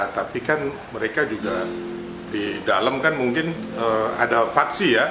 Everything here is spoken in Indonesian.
tapi kan mereka juga di dalam kan mungkin ada faksi ya